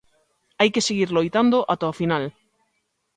Hai que seguir loitando ata o final.